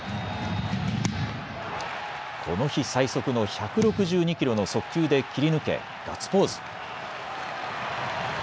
この日最速の１６２キロの速球で切り抜け、ガッツポーズ。